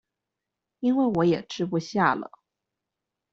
因為我也吃不下了